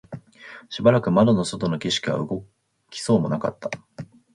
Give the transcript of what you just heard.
しばらく窓の外の景色は動きそうもなかった